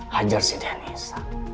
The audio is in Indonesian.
hajar si dennis